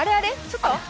ちょっと！